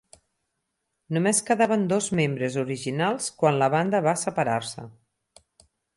Només quedaven dos membres originals quan la banda va separar-se.